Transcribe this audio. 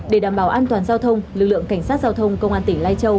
để đảm bảo an toàn giao thông lực lượng cảnh sát giao thông công an tỉnh lai châu